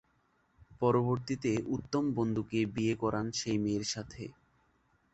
পরবর্তীতে উত্তম বন্ধুকে বিয়ে করান সেই মেয়ের সাথে।